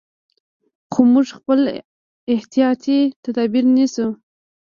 خو موږ خپل احتیاطي تدابیر نیسو.